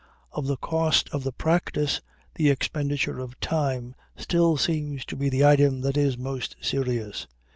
Of the cost of the practice, the expenditure of time still seems to be the item that is most serious.